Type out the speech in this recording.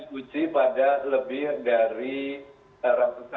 mereka j tracking adalah outsite ini polsk semua